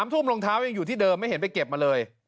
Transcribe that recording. ทุ่มรองเท้ายังอยู่ที่เดิมไม่เห็นไปเก็บมาเลย